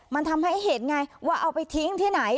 มันทำให้เห็นไงว่าเอาไปทิ้งที่ไหน